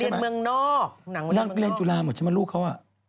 ไปเรียนเมืองนอกน้องหนังไปเรียนเมืองนอกน้องหนังไปเรียนจุฬาหมดใช่ไหมลูกเขา